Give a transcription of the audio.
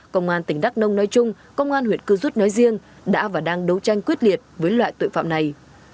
công an tỉnh đắk nông nói chung công an huyện cư rút nói riêng đã và đang đấu tranh quyết liệt với loại tội phạm này